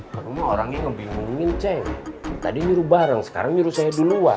karena orangnya ngebimbingin ceng tadi nyuruh bareng sekarang nyuruh saya duluan